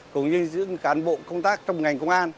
cũng như giữa những khán bộ công tác trong ngành công an